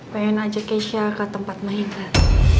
pengen ajak keisha ke tempat mainan